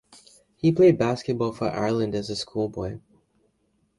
He played basketball for Ireland as a schoolboy.